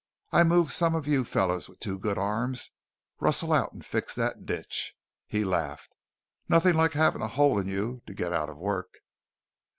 "I move some of you fellows with two good arms rustle out and fix that ditch." He laughed. "Nothing like having a hole in you to get out of work."